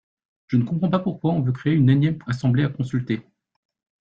Je ne comprends pas pourquoi on veut créer une énième assemblée à consulter.